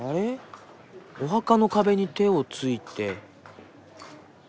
お墓の壁に手をついて。